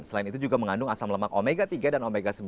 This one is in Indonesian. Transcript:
selain itu juga mengandung asam lemak omega tiga dan omega sembilan